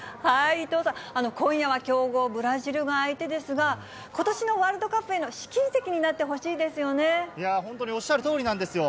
伊藤さん、今夜は強豪ブラジルが相手ですが、ことしのワールドカップへの試金本当におっしゃるとおりなんですよ。